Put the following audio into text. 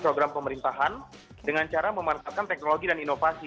program pemerintahan dengan cara memanfaatkan teknologi dan inovasi